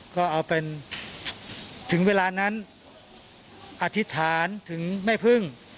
ก็เอาเป็นถึงเวลานั้นอธิษฐานถึงแม่พึ่ง